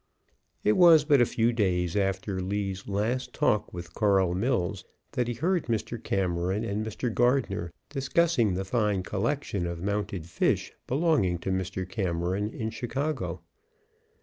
It was but a few days after Lee's last talk with Carl Mills that he heard Mr. Cameron and Mr. Gardner discussing the fine collection of mounted fish belonging to Mr. Cameron in Chicago.